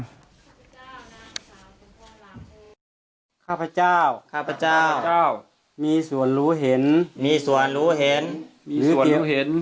ข้าพเจ้าข้าพเจ้ามีส่วนรู้เห็นมีส่วนรู้เห็นมีส่วนรู้เห็น